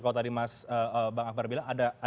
kalau tadi mas bang akbar bilang ada barang yang mengatur